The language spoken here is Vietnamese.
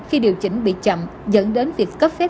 khi điều chỉnh bị chậm dẫn đến việc cấp phép